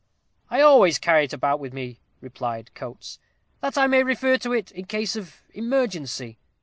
"I always carry it about with me," replied Coates, "that I may refer to it in case of emergency.